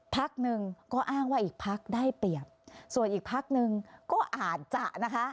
พักหนึ่งก็อ้างว่าอีกพักได้เปรียบส่วนอีกพักหนึ่งก็อาจจะนะคะ